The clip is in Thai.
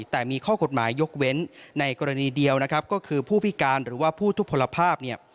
แต่มีข้อกฎหมายยกเว้นในกรณีเดียวนะครับก็คือผู้พิการหรือว่าผู้ทุกผลภาพเนี่ย